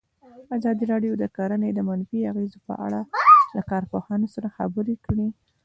ازادي راډیو د کرهنه د منفي اغېزو په اړه له کارپوهانو سره خبرې کړي.